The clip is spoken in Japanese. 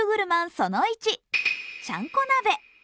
その１、ちゃんこ鍋。